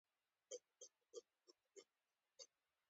خپله راتلونکې راته تياره ښکاري.